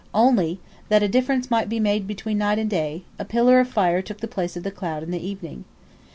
Only, that a difference might be made between day and night, a pillar of fire took the place of the cloud in the evening.